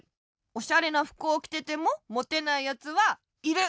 おしゃれなふくをきててもモテないやつはいる！